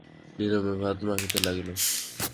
নীরবে ভাত মাখিতে লাগিল।